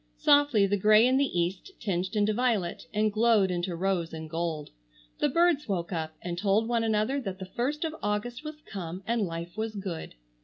Softly the grey in the East tinged into violet and glowed into rose and gold. The birds woke up and told one another that the first of August was come and life was good.